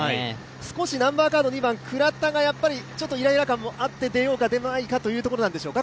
少し２番、倉田がいらいら感もあって出ようか出まいかというところなんでしょうか？